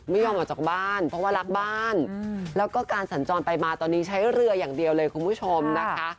ไม่ยอมออกจากบ้านเพราะว่ารักบ้านแล้วก็การสัญจรไปมาตอนนี้ใช้เรืออย่างเดียวเลยคุณผู้ชมนะคะ